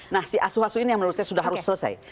nah si asuh asuh ini yang menurut saya sudah harus selesai